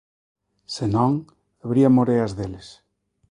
Se non, habería moreas deles.